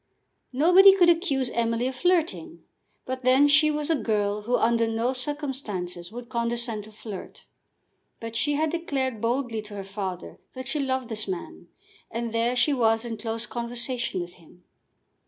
Nobody could accuse Emily of flirting; but then she was a girl who under no circumstances would condescend to flirt. But she had declared boldly to her father that she loved this man, and there she was in close conversation with him!